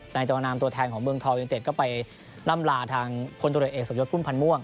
ในจังหวานามตัวแทนของเมืองทองยังเต็ดก็ไปน่ำลาทางคนตัวเด็ดเอกศัพท์ยศคุณพันม่วง